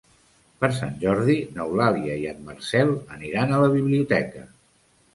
Per Sant Jordi n'Eulàlia i en Marcel aniran a la biblioteca.